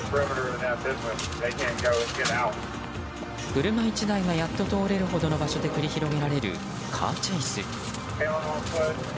車１台がやっと通れるほどの場所で繰り広げられるカーチェイス。